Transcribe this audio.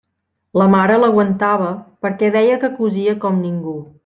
La mare l'aguantava perquè deia que cosia com ningú.